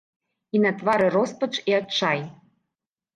І на твары роспач і адчай.